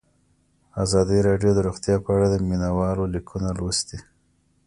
ازادي راډیو د روغتیا په اړه د مینه والو لیکونه لوستي.